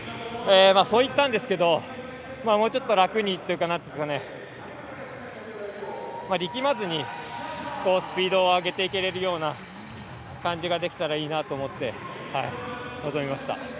そう言ったんですがもうちょっと楽に力まずにスピードを上げていけるような感じができたらいいなと思って臨みました。